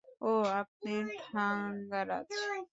ওহ, আপনি থাঙ্গারাজ?